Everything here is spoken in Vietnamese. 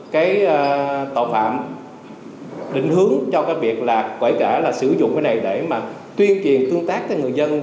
cái tội phạm định hướng cho cái việc là sử dụng cái này để mà tuyên truyền tương tác với người dân